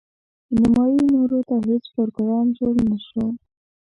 نیمايي نورو ته هیڅ پروګرام جوړ نه شو.